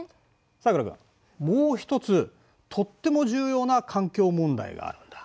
さくら君もう一つとっても重要な環境問題があるんだ。